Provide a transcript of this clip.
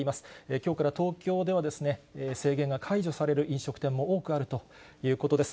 きょうから東京では、制限が解除される飲食店も多くあるということです。